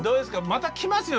また来ますよ